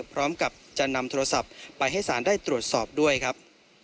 พร้อมกับจะนำโทรศัพท์ไปให้สารได้ตรวจสอบด้วยครับ